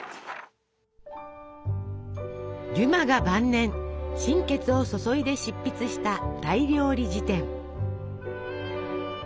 デュマが晩年心血を注いで執筆した「大料理事典」。